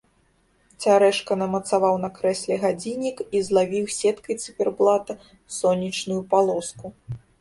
Цярэшка намацаў на крэсле гадзіннік і злавіў сеткай цыферблата сонечную палоску.